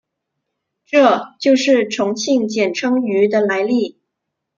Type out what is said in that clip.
这就是重庆简称渝的来历。